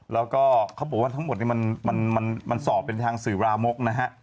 แล้วก็เขาบอกว่าทั้งหมดนี้มันสอบเป็นทางสื่อรามกนะฮะ